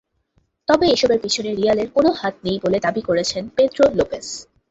তবে এসবের পেছনে রিয়ালের কোনো হাত নেই বলেই দাবি করেছেন পেদ্রো লোপেজ।